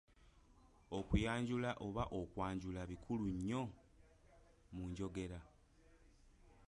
Okuyanjula oba okwanjula bikulu nnyo mu njogera.